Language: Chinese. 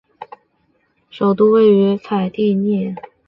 蒙特内哥罗公国的首都位于采蒂涅。